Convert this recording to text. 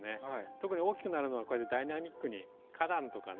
特に大きくなるのはこうやってダイナミックに花壇とかね